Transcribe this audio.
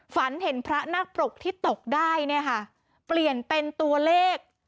ฝันเห็นพระนักปรกที่ตกได้เนี่ยค่ะเปลี่ยนเป็นตัวเลข